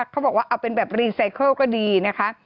เขาบอกว่าเอาเป็นแบบรีไซเคิลก็ดีนะคะ